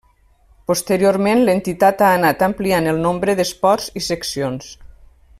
Posteriorment, l'entitat ha anat ampliant el nombre d'esports i seccions.